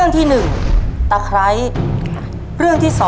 ๑ตะไคร้